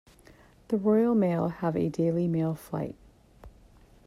The Royal Mail have a daily mail flight.